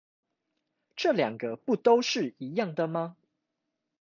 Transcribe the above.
這兩個不都是一樣的嗎?